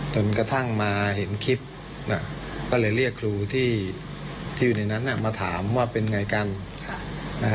จนกระทั่งมาเห็นคลิปก็เลยเรียกครูที่อยู่ในนั้นมาถามว่าเป็นไงกัน